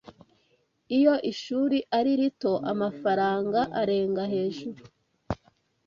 Iyo ishuri ari rito amafaranga arenga hejuru